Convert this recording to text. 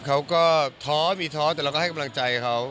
เขาก็ท้อมีท้อแต่เราก็ให้กำลังใจเขา